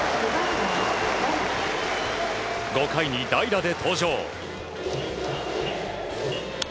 ５回に代打で登場。